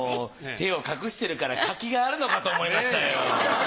手を隠してるから柿があるのかと思いましたよ。